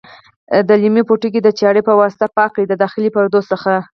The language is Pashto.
د لیمو پوټکي د چاړې په واسطه پاک کړئ د داخلي پردو څخه.